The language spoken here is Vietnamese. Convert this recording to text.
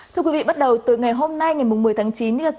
thưa quý vị bắt đầu từ ngày hôm nay ngày một mươi tháng chín